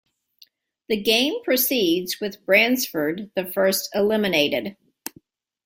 The game proceeds, with Bransford the first eliminated.